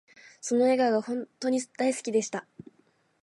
その笑顔が本とに大好きでした